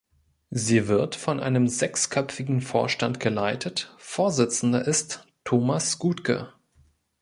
Sie wird von einem sechsköpfigen Vorstand geleitet, Vorsitzender ist Thomas Guthke.